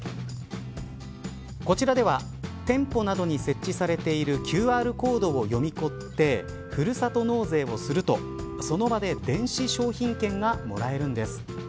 こちらでは店舗などに設置されているＱＲコードを読み取ってふるさと納税をするとその場で電子商品券がもらえるんです。